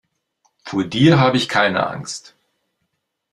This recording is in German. Vor dir habe ich keine Angst.